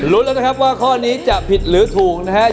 แล้วนะครับว่าข้อนี้จะผิดหรือถูกนะครับ